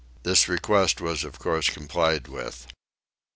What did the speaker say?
This request was of course complied with.